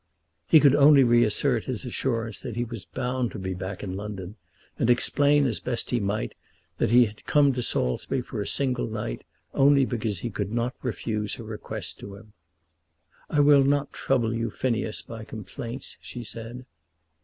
He could only reassert his assurance that he was bound to be back in London, and explain as best he might that he had come to Saulsby for a single night, only because he would not refuse her request to him. "I will not trouble you, Phineas, by complaints," she said.